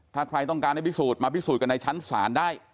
ถ้าใครต้องการให้พิสูจน์มาพิสูจนกันในชั้นศาลได้